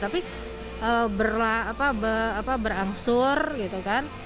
tapi berangsur gitu kan